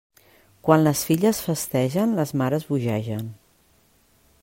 Quan les filles festegen, les mares bogegen.